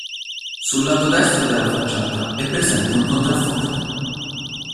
Sul lato destro della facciata è presente un contrafforte.